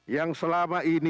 yang selama ini